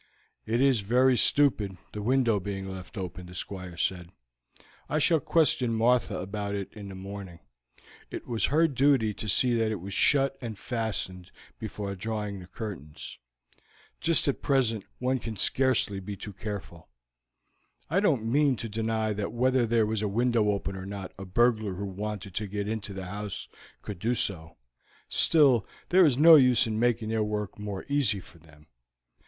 "It is very stupid the window being left open," the Squire said. "I shall question Martha about it in the morning; it was her duty to see that it was shut and fastened before drawing the curtains. Just at present one can scarcely be too careful. I don't mean to deny that whether there was a window open or not a burglar who wanted to get into the house could do so, still there is no use in making their work more easy for them.